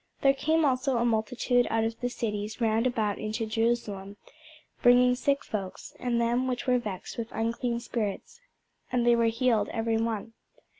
There came also a multitude out of the cities round about unto Jerusalem, bringing sick folks, and them which were vexed with unclean spirits: and they were healed every one.